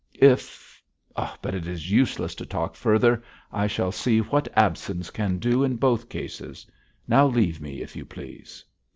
If But it is useless to talk further. I shall see what absence can do in both cases. Now leave me, if you please.'